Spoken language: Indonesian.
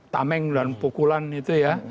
tameng dan pukulan itu ya